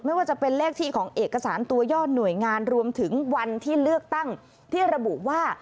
ไม่ว่าจะเป็นเลขที่ของเอกสารตัวยอดหน่วยงานรวมถึงวันที่เลือกตั้งที่ระบุว่า